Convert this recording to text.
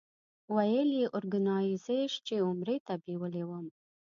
ویل یې اورګنایزیش چې عمرې ته بېولې وم.